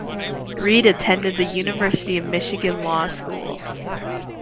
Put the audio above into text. Reid attended the University of Michigan Law School.